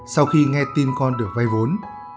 sau khi nghe tin con được vay vốn